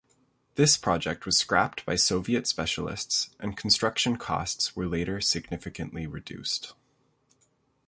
This project was scrapped by Soviet specialists and construction costs were later significantly reduced.